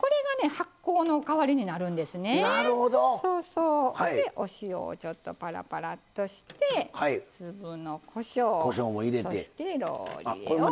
なるほど！でお塩をちょっとパラパラッとして粒のこしょうそしてローリエを。